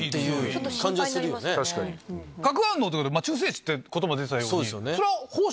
核反応ってことは中性子って言葉出てたように。